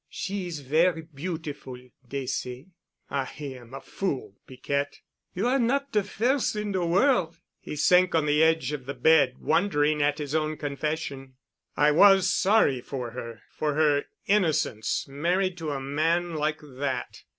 She is ver' beautiful, dey say." "I am a fool, Piquette." "You are not de firs' in de worl'——" He sank on the edge of the bed, wondering at his own confession. "I was sorry for her—for her innocence, married to a man like that.